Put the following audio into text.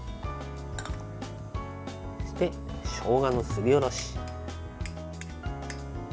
そして、しょうがのすりおろし。